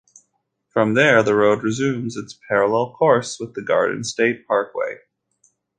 From there, the road resumes its parallel course with the Garden State Parkway.